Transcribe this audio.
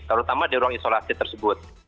terutama di ruang isolasi tersebut